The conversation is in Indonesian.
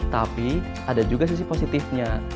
tapi ada juga sisi positifnya